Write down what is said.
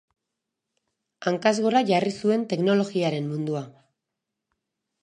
Hankaz gora jarri zuen teknologiaren mundua.